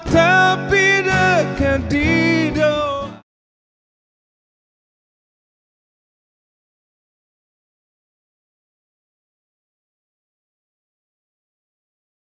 tapi dekat di doa